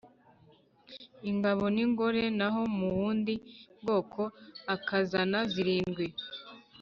ingabo ningore naho mu bundi bwoko akazana zirindwi